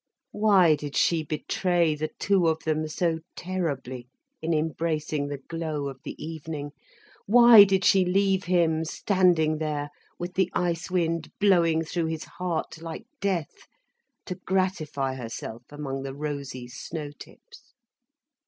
Why did she betray the two of them so terribly, in embracing the glow of the evening? Why did she leave him standing there, with the ice wind blowing through his heart, like death, to gratify herself among the rosy snow tips?